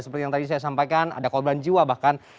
seperti yang tadi saya sampaikan ada korban jiwa bahkan